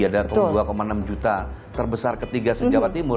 ada dua enam juta terbesar ketiga se jawa timur